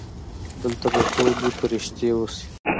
دلته به ټولې پرښتې اوسي.